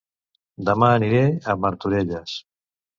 Dema aniré a Martorelles